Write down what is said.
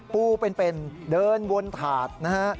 ปูเป็นเดินวนถาดนะฮะ